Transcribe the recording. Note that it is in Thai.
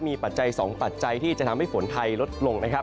มีปัจจัย๒ปัจจัยที่จะทำให้ฝนไทยลดลงนะครับ